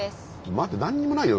待って何にもないよ